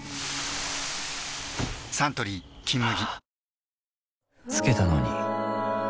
サントリー「金麦」